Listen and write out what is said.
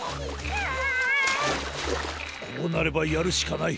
こうなればやるしかない。